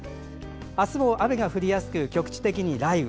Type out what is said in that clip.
明日も雨が降りやすく局地的に雷雨。